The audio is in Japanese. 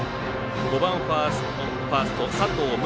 ５番ファースト佐藤夢